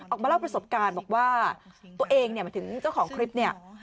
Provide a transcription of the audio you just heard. ออกมาเล่าประสบการณ์บอกว่าตัวเองเนี่ยหมายถึงเจ้าของคลิปเนี่ย